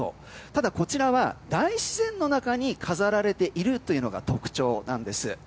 ただ、こちらは大自然の中に飾られているというのが特徴なんです。